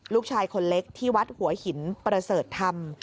ลูกชายคนเล็กที่วัดหัวหินประเสริฐธรรม